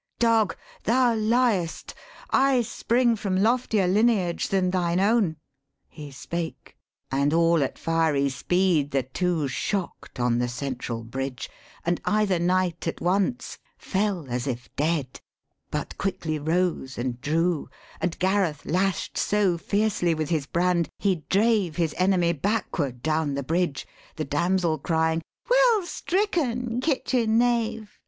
'Dog, thou liest. I spring from loftier lineage than thine own.' He spake; and all at fiery speed the two Shock'd on the central bridge. And either knight at once Fell, as if dead; but quickly rose and drew, And Gareth lash'd so fiercely with his brand He drave his enemy backward down the bridge, The damsel crying, 'Well stricken kitchen knave!'